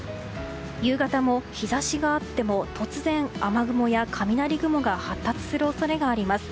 夕方も日差しがあっても突然、雨雲や雷雲が発達する恐れがあります。